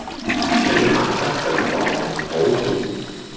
你行得上台唔好怯